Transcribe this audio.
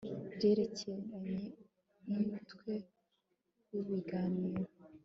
Byerekeranye numutwe wibiganiro